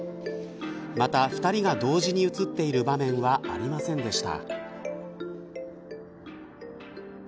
また、２人が同時に映っている場面はありませんでした。